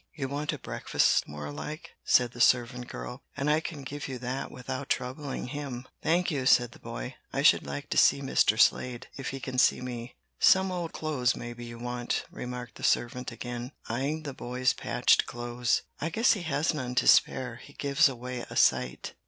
"You want a breakfast, more like," said the servant girl, "and I can give you that without troubling him." "Thank you," said the boy; "I should like to see Mr. Slade, if he can see me." "Some old clothes maybe you want," remarked the servant again, eying the boy's patched clothes. "I guess he has none to spare; he gives away a sight."